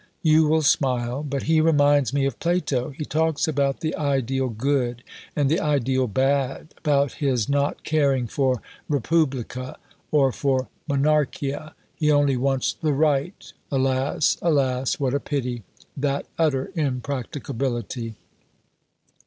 You will smile. But he reminds me of Plato. He talks about the "ideal good" and the "ideal bad"; about his not caring for "repubblica" or for "monarchia": he only wants "the right." Alas! alas! What a pity that utter impracticability!